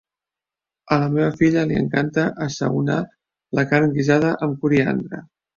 A la meva filla li encanta assaonar la carn guisada amb coriandre